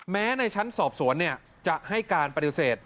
ในชั้นสอบสวนจะให้การปฏิเสธ